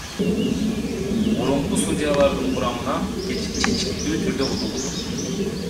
Мурунку судьялардын курамынан чечкиндүү түрдө кутулдук.